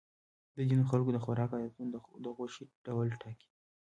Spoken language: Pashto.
د ځینو خلکو د خوراک عادتونه د غوښې ډول ټاکي.